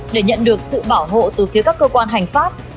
để nhận được sự bảo hộ từ phía các cơ quan hành pháp